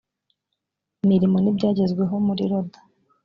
imirimo n ibyagezweho muri roda